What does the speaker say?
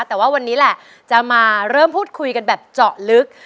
แต่ว่าวันนี้แหละจะมาเริ่มพูดคุยกันแบบเจาะลึก